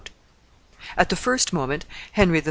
At the first moment Henry III.